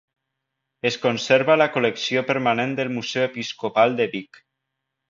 Es conserva a la col·lecció permanent del Museu Episcopal de Vic.